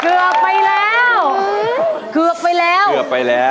เกือบไปแล้วเกือบไปแล้วเกือบไปแล้ว